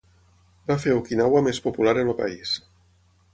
Va fer Okinawa més popular en el país.